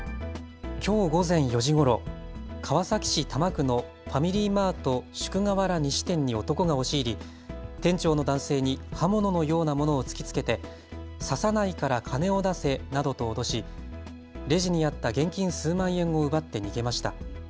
きょう午前４時ごろ川崎市多摩区のファミリーマート宿河原西店に男が押し入り店長の男性に刃物のようなものを突きつけて、刺さないから金を出せなどと脅してレジにあった現金数万円を奪って逃げました。